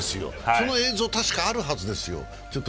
その映像、たしかあるはずですよ。